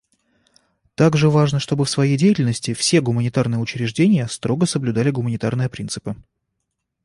Также важно, чтобы в своей деятельности все гуманитарные учреждения строго соблюдали гуманитарные принципы.